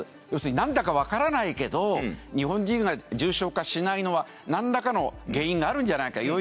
要するに何だかわからないけど日本人が重症化しないのは何らかの原因があるんじゃないか。